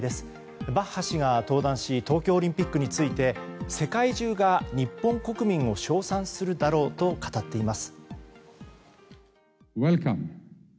バッハ氏が登壇し東京オリンピックについて世界中が日本国民を称賛するだろうと語っています。